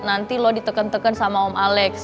nanti lo diteken teken sama om alex